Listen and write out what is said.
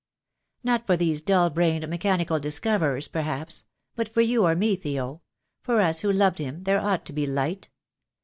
"Not for these dull brained, mechanical discoverers, perhaps; but for you or me, Theo; for us who loved him there ought to be light.